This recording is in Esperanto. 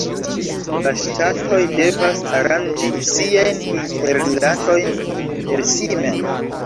La ŝtatoj devas aranĝi siajn interrilatojn per si mem.